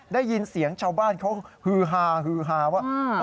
ได้ยินเสียงชาวบ้านเขาฮือฮาฮือฮาว่า